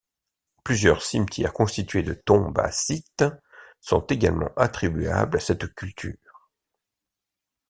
Plusieurs cimetières constitués de tombes à ciste sont également attribuables à cette culture.